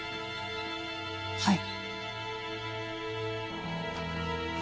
はい。